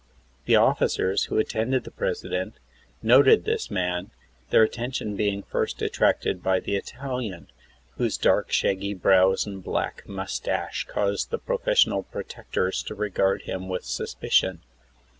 The officers, who attended the President, noted this man, their attention being first attracted by the Italian, whose dark, shaggy brows and black mustache caused the professional protectors to regard him with sus picion.